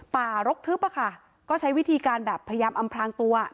รกทึบอะค่ะก็ใช้วิธีการแบบพยายามอำพลางตัว